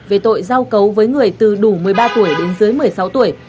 về tội giao cấu với người từ đủ một mươi ba tuổi đến dưới một mươi sáu tuổi